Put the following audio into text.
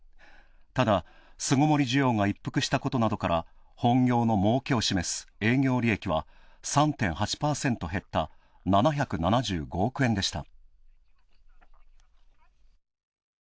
ただ、巣ごもり需要が一服したことなどから本業のもうけを示す営業利益は３．８％減った７７５億円でした。